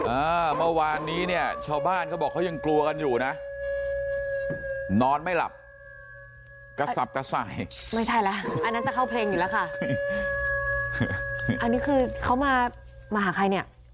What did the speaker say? อ่าเมื่อวานนี้เนี่ยชาวบ้านเขาบอกเขายังกลัวกันอยู่นะนอนไม่หลับกระสับกระส่ายไม่ใช่แล้วอันนั้นจะเข้าเพลงอยู่แล้วค่ะอันนี้คือเขามามาหาใครเนี่ย